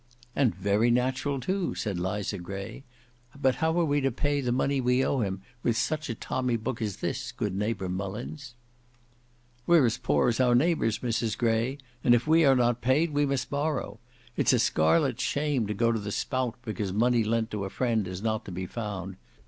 "And very natural, too," said Liza Gray; "but how are we to pay the money we owe him, with such a tommy book as this, good neighbour Mullins?" "We're as poor as our neighbours Mrs Gray; and if we are not paid, we must borrow. It's a scarlet shame to go to the spout because money lent to a friend is not to be found.